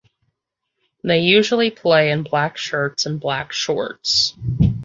They usually play in black shirts and black shorts.